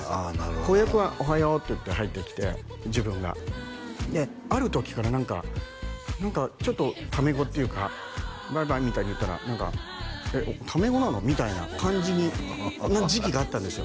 子役は「おはよう」って言って入ってきて自分がある時から何かちょっとタメ語っていうかバイバイみたいに言ったら何かタメ語なの？みたいな感じにな時期があったんですよ